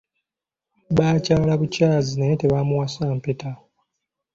Baakyala bukyazi naye tebaamuwasa mpeta.